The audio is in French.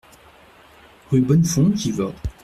Rue Bonnefond, Givors